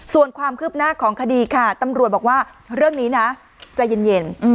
ส่วนความคืบหน้าของคดีค่ะตำรวจบอกว่าเรื่องนี้นะใจเย็น